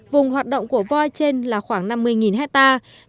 vùng hoạt động của voi trên là khoảng năm mươi hectare